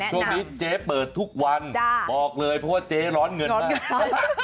ช่วงนี้เจ๊เปิดทุกวันบอกเลยเพราะว่าเจ๊ร้อนเงินมาก